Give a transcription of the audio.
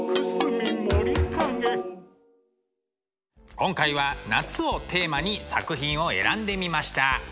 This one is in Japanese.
今回は「夏」をテーマに作品を選んでみました。